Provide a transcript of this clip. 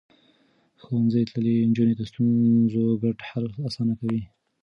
ښوونځی تللې نجونې د ستونزو ګډ حل اسانه کوي.